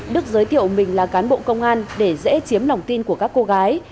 đức giới thiệu mình là cán bộ công an để dễ chiếm lòng tin của các cô gái